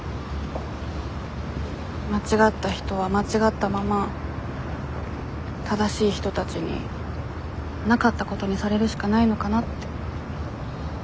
間違った人は間違ったまま正しい人たちになかったことにされるしかないのかなって。